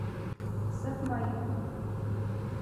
— Сыҡмайым.